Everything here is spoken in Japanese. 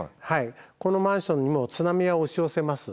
このマンションにも津波は押し寄せます。